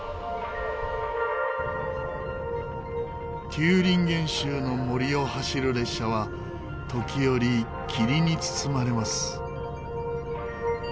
テューリンゲン州の森を走る列車は時折霧に包まれます。